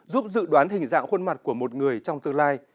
giúp dự đoán hình dạng khuôn mặt của một người trong tương lai